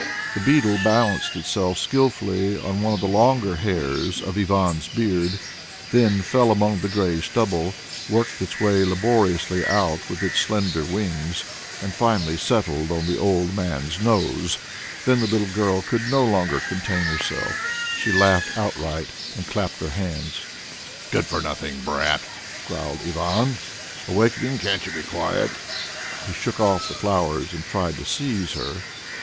The beetle balanced itself skilfully on one of the longer hairs of Ivan's beard, then fell among the grey stubble, worked its way laboriously out with its slender wings, and finally settled on the old man's nose. Then the little girl could no longer contain herself; she laughed outright and clapped her hands. "Good for nothing brat!" growled Ivan, awaking. "Can't you be quiet?" He shook off the flowers and tried to seize her.